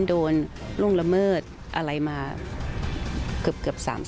ล่วงละเมิดอะไรมาเกือบ๓ปี